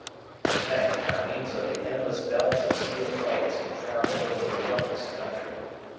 The tank, by means of the endless belts of steel plates, can travel over the roughest country.